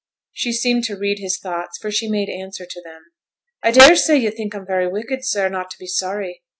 She seemed to read his thoughts, for she made answer to them. 'I dare say you think I'm very wicked, sir, not to be sorry.